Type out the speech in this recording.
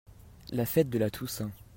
La Fête de la Toussaint.